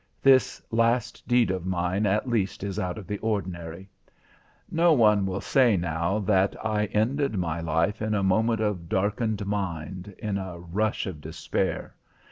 This last deed of mine at least, is out of the ordinary. No one will say now that ended my life in a moment of darkened mind, in a rush of despair.